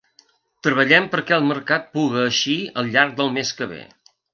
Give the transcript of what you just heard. Treballem perquè el mercat puga eixir al llarg del mes que ve.